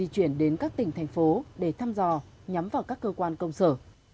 chuyển đến các tỉnh thành phố để thăm dò nhắm vào các cơ quan công sở